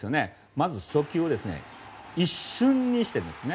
まず初球、一瞬にしてですね。